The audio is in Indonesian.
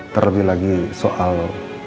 terlebih lagi soal